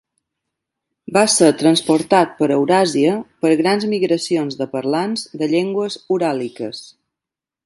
Va ser transportat per Euràsia per grans migracions de parlants de llengües uràliques.